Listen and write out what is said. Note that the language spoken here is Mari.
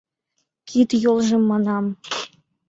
Кид-йолжым манам.